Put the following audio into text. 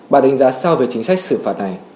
bà đánh giá sao về chính sách xử phạt này